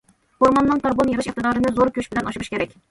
ئورماننىڭ كاربون يىغىش ئىقتىدارىنى زور كۈچ بىلەن ئاشۇرۇش كېرەك.